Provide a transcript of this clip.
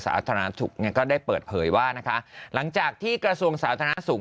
สาธารณสุขเนี่ยก็ได้เปิดเผยว่านะคะหลังจากที่กระทรวงสาธารณสุข